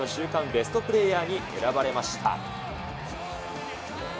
ベストプレーヤーに選ばれました。